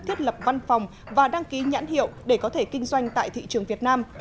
thiết lập văn phòng và đăng ký nhãn hiệu để có thể kinh doanh tại thị trường việt nam